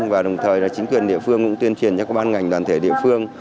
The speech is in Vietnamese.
và đồng thời là chính quyền địa phương cũng tuyên truyền cho các ban ngành đoàn thể địa phương